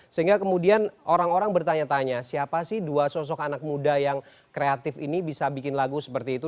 sehingga kemudian orang orang bertanya tanya siapa sih dua sosok anak muda yang kreatif ini bisa bikin lagu seperti itu